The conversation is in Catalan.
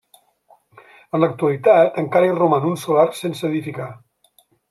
En l'actualitat, encara hi roman un solar sense edificar.